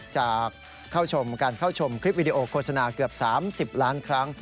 จากเข้าชมการเข้าชมคลิปวิดีโอโฆษณาเกือบ๓๐ล้านครั้ง